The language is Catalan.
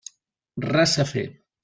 Res a fer.